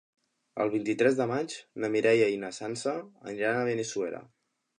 El vint-i-tres de maig na Mireia i na Sança aniran a Benissuera.